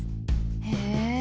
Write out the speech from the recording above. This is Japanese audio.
へえ！